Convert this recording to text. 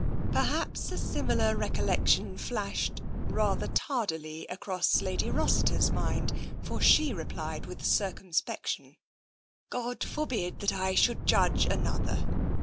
Perhaps a similar recollection flashed rather tardily across Lady Rossiter's mind, for she replied with cir cumspection :" God forbid that I should judge another